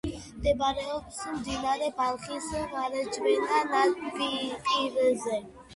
მდებარეობს მდინარე ბალხის მარჯვენა ნაპირზე.